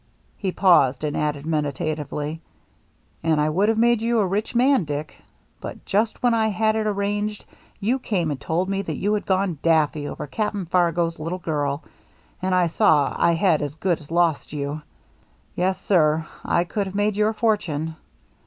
He paused and added medita tively :" And I would have made you a rich man, Dick. But just when I had it arranged, you came and told me that you had gone daffy over Cap'n Fargo's little girl, and I saw I had as good as lost you. Yes, sir, I could have made your fortune.